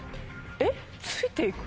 えっ？